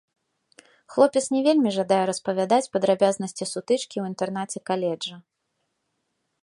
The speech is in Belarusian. Хлопец не вельмі жадае распавядаць падрабязнасці сутычкі ў інтэрнаце каледжа.